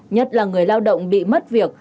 nhất là người lao động bị mất việc